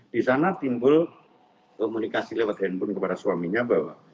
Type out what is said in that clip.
di sana timbul komunikasi lewat handphone kepada suaminya bahwa